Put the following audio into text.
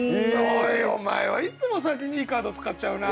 お前はいつも先にいいカード使っちゃうな。